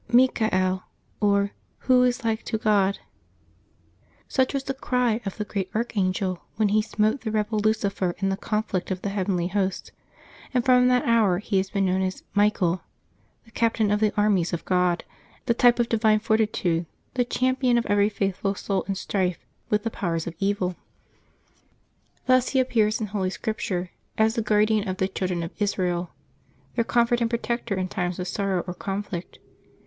y?|i CA EL,'^ or " Who is like to God? '' Such was the \*i cry of the great Archangel when he smote the rebel Lucifer in the conflict of the heavenly hosts, and from that hour he has been known as " Michael," the captain of the armies of God, the tjrpe of divine fortitude, the cham pion of every faithful soul in strife with the powers of evil. 326 LIVE8 OF TEE SAINTS [Septembeb 30 Thus he appears in Holy Scripture as the guardian of the children of Israel, their comfort and protector in times of sorrow or conflict.